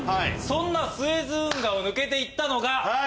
そんなスエズ運河を抜けて行ったのが。